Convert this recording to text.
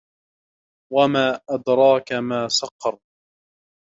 وما أدراك ما سقر